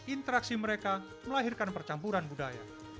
interaksi mereka melahirkan percampuran budaya